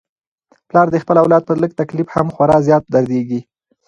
پلار د خپل اولاد په لږ تکلیف هم خورا زیات دردیږي.